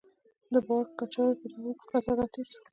د بار کچرو تر یوه اوږد قطار راتېر شوو.